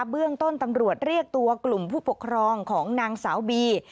เบื้องต้นตำรวจเรียกตัวกลุ่มผู้ปกครองของนางสาวบี